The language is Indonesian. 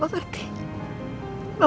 mama ngerti perasaan kamu